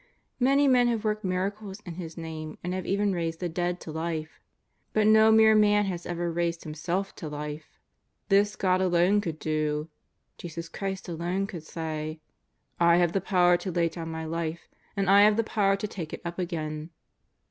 Many men have worked miracles in His l^ame and have even raised the dead to life. But no mere man has ever raised himself to life. This God alone could do. Jesus Christ alone could say :^' I have power to lay down My life, and I have power to take it up again."